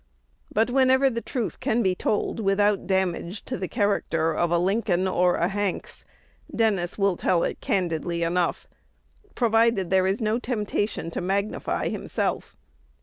But, whenever the truth can be told without damage to the character of a Lincoln or a Hanks, Dennis will tell it candidly enough, provided there is no temptation to magnify himself.